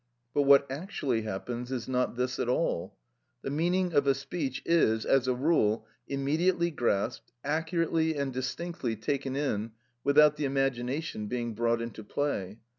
But what actually happens is not this at all. The meaning of a speech is, as a rule, immediately grasped, accurately and distinctly taken in, without the imagination being brought into play.